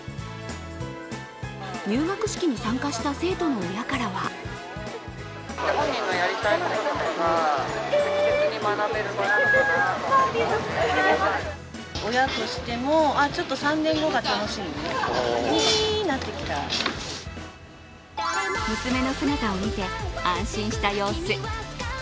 入学式に参加した生徒の親からは娘の姿を見て安心した様子。